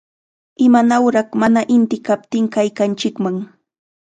¡Imanawraq mana inti kaptin kaykanchikman!